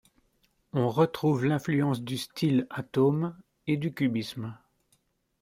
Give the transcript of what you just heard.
On retrouve l'influence du style atome, et du cubisme.